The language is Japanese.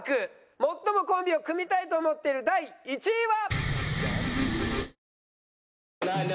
最もコンビを組みたいと思ってる第１位は？